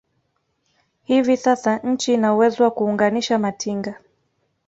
Hivi sasa nchi ina uwezo wa kuunganisha matinga